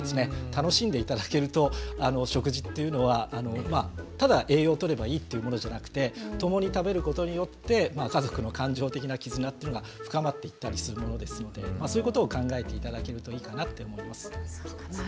楽しんで頂けると食事っていうのはただ栄養をとればいいっていうものじゃなくて共に食べることによって家族の感情的な絆っていうのが深まっていったりするものですのでそういうことを考えて頂けるといいかなって思います。